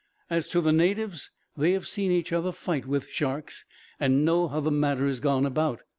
As to the natives, they have seen each other fight with sharks, and know how the matter is gone about.